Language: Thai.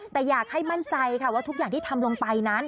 แต่อยากให้มั่นใจค่ะว่าทุกอย่างที่ทำลงไปนั้น